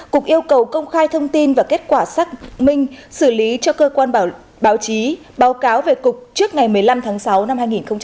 cục yêu cầu công khai thông tin và kết quả xác minh xử lý cho cơ quan báo chí báo cáo về cục trước ngày một mươi năm tháng sáu năm hai nghìn hai mươi